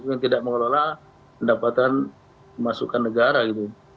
yang tidak mengelola pendapatan masukan negara gitu